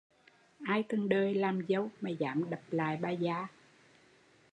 Ai từng đời làm dâu mà dám đập lại bà gia